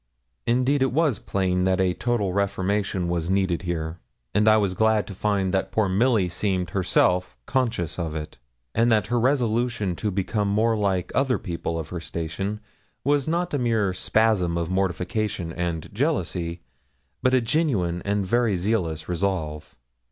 Indeed it was plain that a total reformation was needed here; and I was glad to find that poor Milly seemed herself conscious of it; and that her resolution to become more like other people of her station was not a mere spasm of mortification and jealousy, but a genuine and very zealous resolve.